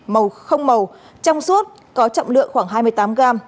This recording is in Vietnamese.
màu không màu trong suốt có trọng lượng khoảng hai mươi tám g